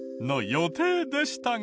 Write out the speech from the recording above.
予定でしたが。